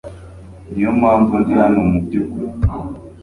Niyo mpamvu ndi hano, mubyukuri .